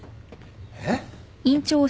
えっ？